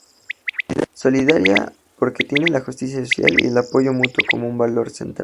Solidaria, porque tiene la justicia social y el apoyo mutuo como un valor central.